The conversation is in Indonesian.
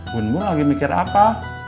bun bun lagi mikir apa